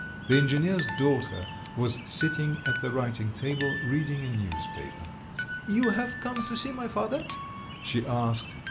The engineer's daughter was sitting at the writing table, reading a newspaper. "You have come to see my father?" she asked.